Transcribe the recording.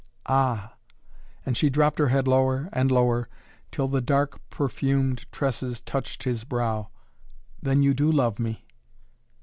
"Ah!" and she dropped her head lower and lower, till the dark perfumed tresses touched his brow. "Then you do love me?"